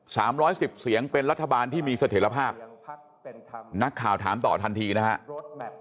สามร้อยสิบเสียงเป็นรัฐบาลที่มีเสถียรภาพนักข่าวถามต่อทันทีนะครับ